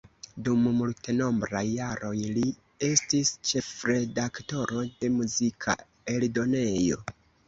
Dum multenombraj jaroj, li estis ĉefredaktoro de muzika eldonejo.